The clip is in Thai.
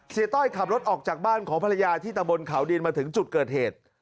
ต้อยขับรถออกจากบ้านของภรรยาที่ตะบนเขาดินมาถึงจุดเกิดเหตุ